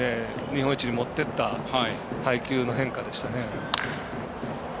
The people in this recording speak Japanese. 日本一に持っていった配球の変化でしたね。